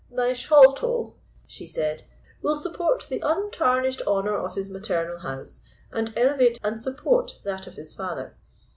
"My Sholto," she said, "will support the untarnished honour of his maternal house, and elevate and support that of his father.